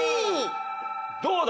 どうだ？